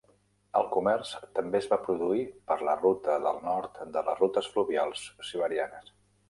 El comerç també es va produir per la ruta del nord de les rutes fluvials siberianes.